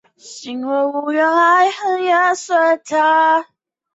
艾马希亚体育会。